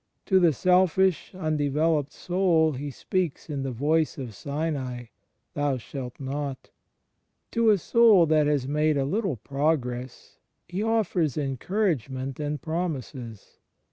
To the selfish imdeveloped soul He speaks in the Voice of Sinai — "Thou shalt not." To a soul that has made a little progress He offers encouragement and promises.